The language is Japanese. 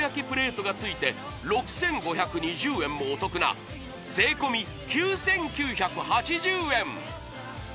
プレートが付いて６５２０円もお得な税込９９８０円